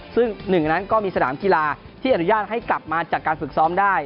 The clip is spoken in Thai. ซึ่งหนึ่งในนั้นก็มีสนามกีฬาที่อนุญาตให้กลับมาจากการฝึกซ้อมได้